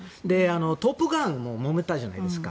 「トップガン」ももめたじゃないですか。